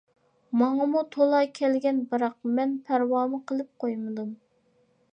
ماڭىمۇ تولا كەلگەن بىراق مەن پەرۋامۇ قىلىپ قويمىدىم.